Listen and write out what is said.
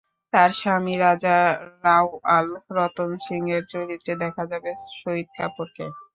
তাঁর স্বামী রাজা রাওয়াল রতন সিংয়ের চরিত্রে দেখা যাবে শহিদ কাপুরকে।